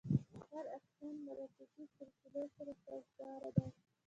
هر اپشن مراتبي سلسلو سره سازګاره دی.